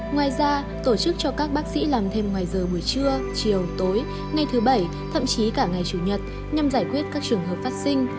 ngoài ra tổ chức cho các bác sĩ làm thêm ngoài giờ buổi trưa chiều tối ngày thứ bảy thậm chí cả ngày chủ nhật nhằm giải quyết các trường hợp phát sinh